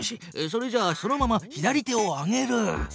それじゃあそのまま左手を上げる。